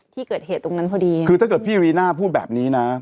ที่เกิดเหตุตรงนั้นพอดีคือถ้าเกิดพี่รีน่าพูดแบบนี้นะ